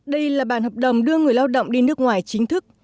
đây là bàn hợp đồng đưa người lao động đi nước ngoài chính thức